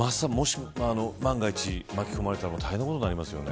万が一巻き込まれたら大変なことになりますよね。